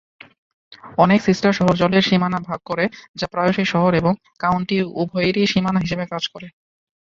অনেক সিস্টার শহর জলের সীমানা ভাগ করে, যা প্রায়শই শহর এবং কাউন্টি উভয়েরই সীমানা হিসাবে কাজ করে।